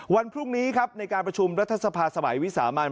วันพรุ่งนี้ครับในการประชุมรัฐสภาสมัยวิสามัน